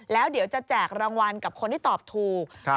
แล้วเดี๋ยวจะแจกรางวัลกับคนที่ตอบถูก